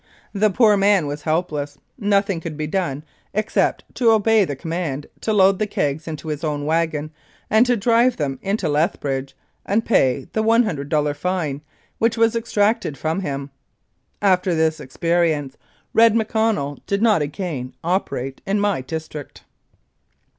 The poor man was helpless nothing could be done except to obey the command to load the kegs into his own wagon and to drive them into Leth bridge and pay the $100 fine which was exacted from him. After this experience Red McConnell did not again operate in my district.